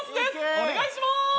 お願いします。